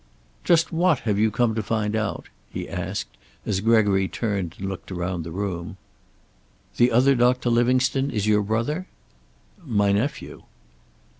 "Just what have you come to find out?" he asked, as Gregory turned and looked around the room. "The other Doctor Livingstone is your brother?" "My nephew."